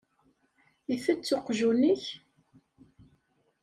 Itett uqjun-ik?